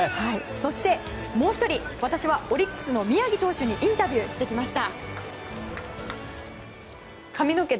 そして、もう１人私はオリックスの宮城投手にインタビューしてきました。